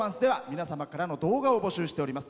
皆様からの動画を募集しています。